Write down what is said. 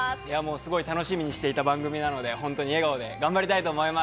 すごく楽しみにしていた番組なので、笑顔で頑張りたいと思います。